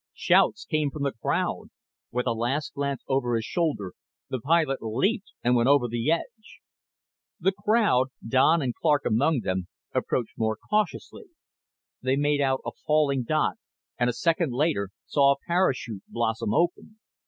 Shouts came from the crowd. With a last glance over his shoulder, the pilot leaped and went over the edge. The crowd, Don and Clark among them, approached more cautiously. They made out a falling dot and, a second later, saw a parachute blossom open.